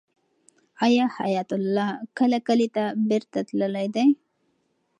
آیا حیات الله کله کلي ته بېرته تللی دی؟